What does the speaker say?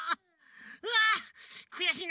うわくやしいな。